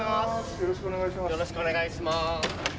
よろしくお願いします。